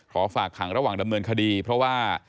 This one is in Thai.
ฝากขังระหว่างดำเนินคดีเพราะว่า